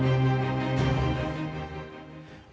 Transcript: ที่วิทยาลัยศิลปะฏิบัติ